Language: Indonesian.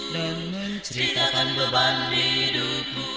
dan menceritakan beban hidupmu